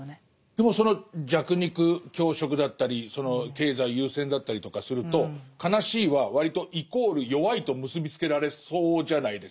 でもその弱肉強食だったり経済優先だったりとかすると悲しいは割とイコール弱いと結び付けられそうじゃないですか。